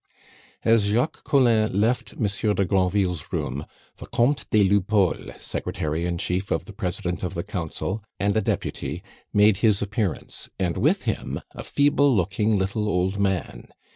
As Jacques Collin left Monsieur de Granville's room, the Comte des Lupeaulx, Secretary in Chief of the President of the Council, and a deputy, made his appearance, and with him a feeble looking, little old man.